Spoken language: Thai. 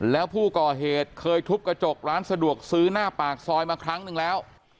แล้วผู้ก่อเหตุเคยทุบกระจกร้านสะดวกซื้อหน้าปากซอยมาครั้งหนึ่งแล้ว